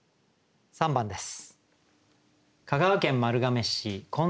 ３番です。